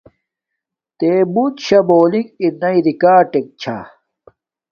تݺ بݸُت شݳ بݳݸلنݣ ارݳئی رݵکݳٹݵک چھݳ؟